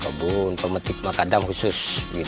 kebun pemetik macadam khusus